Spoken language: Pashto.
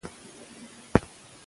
راځئ چې خپله وجیبه ادا کړو.